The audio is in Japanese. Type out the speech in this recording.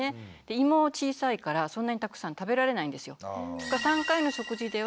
胃も小さいからそんなにたくさん食べられないんですよ。